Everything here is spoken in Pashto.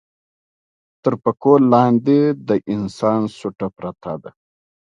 تر پکول لاندې د انسان سوټه پرته ده.